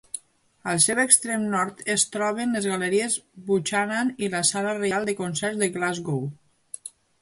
Al seu extrem nord es troben les galeries Buchanan i la Sala Reial de Concerts de Glasgow.